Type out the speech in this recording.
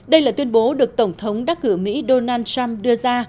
đây là tuyên bố được tổng thống đắc cử mỹ donald trump đưa ra